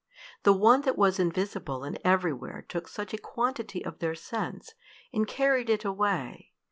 The one that was invisible and everywhere took such a quantity of their scents, and carried it away!